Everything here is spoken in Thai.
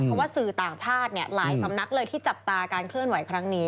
เพราะว่าสื่อต่างชาติหลายสำนักเลยที่จับตาการเคลื่อนไหวครั้งนี้